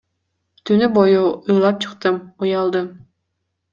Түнү бою ыйлап чыктым, уялдым.